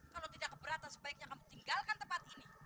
kalau tidak keberatan sebaiknya kami tinggalkan tempat ini